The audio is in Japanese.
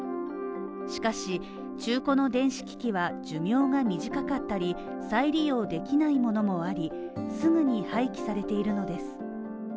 しかし、中古の電子機器は寿命が短かったり、再利用できないものもあり、すぐに廃棄されているのです。